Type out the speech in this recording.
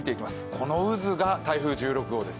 この渦が台風１６号です。